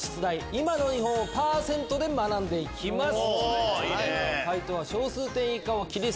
今の日本をパーセントで学んで行きます。